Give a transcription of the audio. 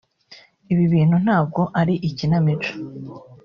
Ibi bintu ntabwo ari ikinamico